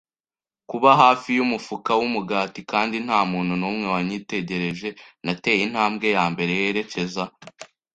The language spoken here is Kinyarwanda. kuba hafi yumufuka wumugati, kandi ntamuntu numwe wanyitegereje, nateye intambwe yambere yerekeza